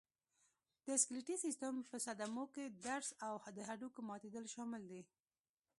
د سکلېټي سیستم په صدمو کې درز او د هډوکو ماتېدل شامل دي.